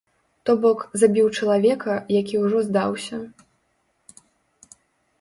То бок, забіў чалавека, які ўжо здаўся.